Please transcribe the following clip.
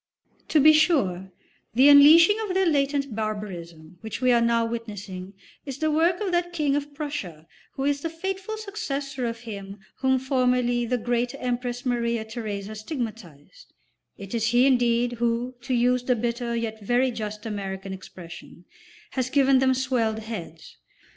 To be sure, the unleashing of their latent barbarism which we are now witnessing is the work of that King of Prussia who is the faithful successor of him whom formerly the great Empress Maria Theresa stigmatised; it is he indeed, who, to use the bitter yet very just American expression, has given them swelled heads.